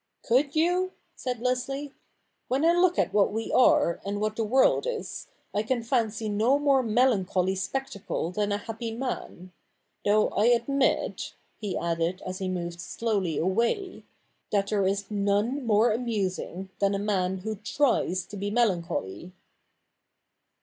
' Could you ?' said Leslie. ' When I look at what we are and what the world is, I can fancy no more melan choly spectacle than a happy man ; though I admit,' he added as he moved slowly away, ' that there is none more amusing than a man who tries to be melancholy.'